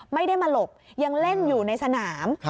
ไม่ได้มาหลบยังเล่นอยู่ในสนาม